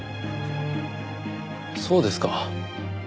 そうですか。